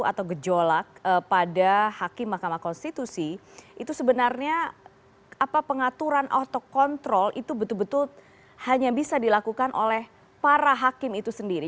atau gejolak pada hakim mahkamah konstitusi itu sebenarnya pengaturan autol itu betul betul hanya bisa dilakukan oleh para hakim itu sendiri